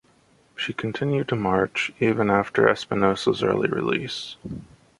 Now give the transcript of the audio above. She continued to march even after Espinosa's early release.